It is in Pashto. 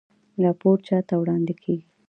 راپور چا ته وړاندې کیږي؟